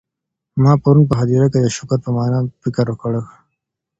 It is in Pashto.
ما پرون په هدیره کي د شکر پر مانا فکر وکړی.